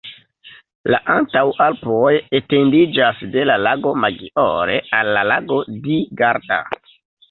La Antaŭalpoj etendiĝas de la Lago Maggiore al la Lago di Garda.